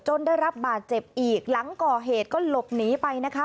ได้รับบาดเจ็บอีกหลังก่อเหตุก็หลบหนีไปนะคะ